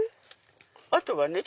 あとはね